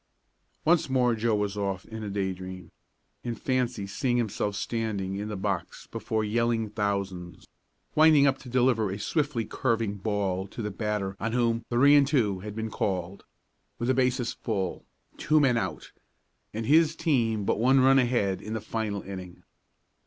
Once more Joe was off in a day dream, in fancy seeing himself standing in the box before yelling thousands, winding up to deliver a swiftly curving ball to the batter on whom "three and two" had been called, with the bases full, two men out and his team but one run ahead in the final inning.